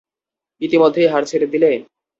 ইতিমধ্যেই হাল ছেড়ে দিলে?